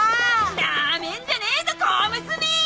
ナメんじゃねえぞ小娘！